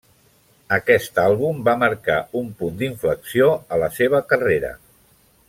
Aquest àlbum va marcar un punt d'inflexió a la seva carrera.